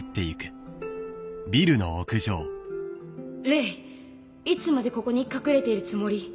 麗いつまでここに隠れているつもり？